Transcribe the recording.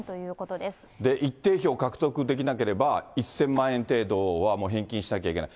で、一定票獲得できなければ、１０００万円程度は返金しなきゃいけない。